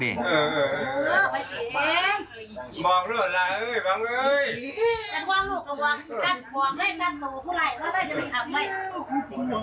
จัดห่วงด้วยจัดตัวผู้ร้ายว่าไม่ได้เป็นคำไว้